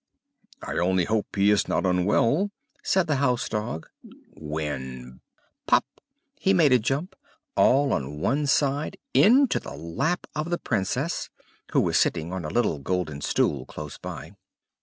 "I only hope he is not unwell," said the house dog; when, pop! he made a jump all on one side into the lap of the Princess, who was sitting on a little golden stool close by.